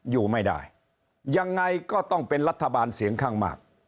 อยู่ไม่ได้ยังไงก็ต้องเป็นรัฐบาลเสียงข้างมาก